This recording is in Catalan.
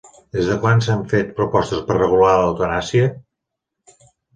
Des de quan s'han fet propostes per regular l'eutanàsia?